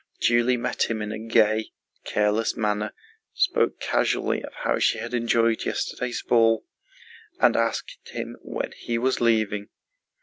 Julie met him in a gay, careless manner, spoke casually of how she had enjoyed yesterday's ball, and asked when he was leaving.